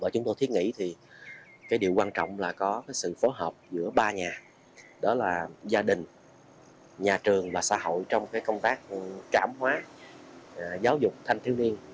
chúng tôi thiết nghĩ thì cái điều quan trọng là có sự phối hợp giữa ba nhà đó là gia đình nhà trường và xã hội trong công tác trảm hóa giáo dục thanh thiếu niên